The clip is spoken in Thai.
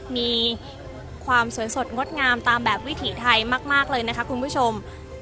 มีความสวยสดงดงามตามแบบวิถีไทยมากเลยนะคะคุณผู้ชม